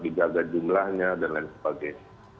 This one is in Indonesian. dijaga jumlahnya dan lain sebagainya